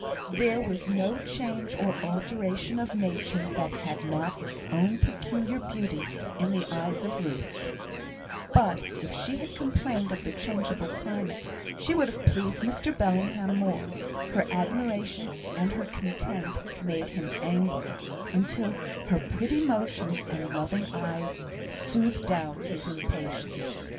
There was no change or alteration of nature that had not its own peculiar beauty in the eyes of Ruth; but if she had complained of the changeable climate, she would have pleased Mr Bellingham more; her admiration and her content made him angry, until her pretty motions and loving eyes soothed down his impatience.